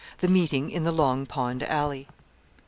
THE MEETING IN THE LONG POND ALLEY.